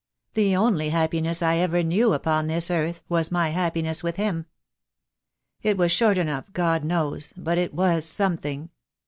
The only happiness I ever knew upon this earth was my happiness with him. It was short enough, God knows, but it was something.